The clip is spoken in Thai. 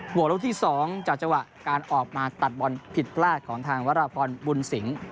วกลูกที่๒จากจังหวะการออกมาตัดบอลผิดพลาดของทางวรพรบุญสิงศ์